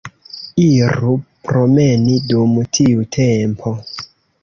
Iru promeni dum tiu tempo.